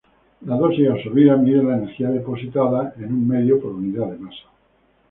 La dosis absorbida mide la energía depositada en un medio por unidad de masa.